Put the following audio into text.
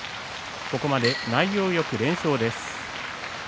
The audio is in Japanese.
ここまで内容よく連勝です。